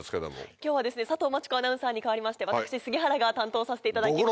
今日は佐藤真知子アナウンサーに代わりまして私杉原が担当させていただきます。